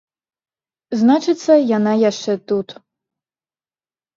Значыцца, яна яшчэ тут.